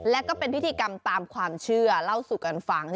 และก็เป็นพิธีกรรมตามความเชื่อเล่าสู่กันฟัง